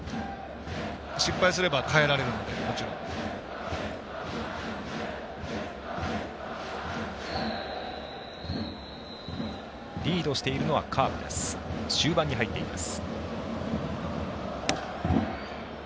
失敗すれば変えられるのでリードしているのはカープです、終盤に入っています。